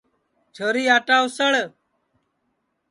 چھوری آٹا اُسݪ